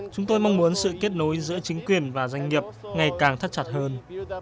chúng tôi mong muốn sự kết nối giữa chính quyền và doanh nghiệp ngày càng thắt chặt hơn